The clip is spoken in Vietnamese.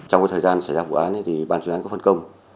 trong thời gian xảy ra vụ án ban truyền án có phân công